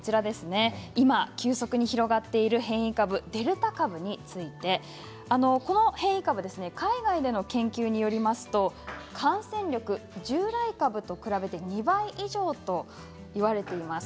今、急速に広がっている変異株デルタ株についてこの変異株、海外での研究によりますと感染力、従来株と比べて２倍以上と言われています。